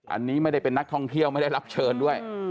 อันนี้ไม่ได้เป็นนักท่องเที่ยวไม่ได้รับเชิญด้วย